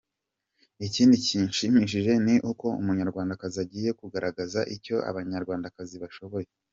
Ikindi kinshimishije ni uko Umunyarwandakazi agiye kugaragaza icyo Abanyarwandakazi bashoboye.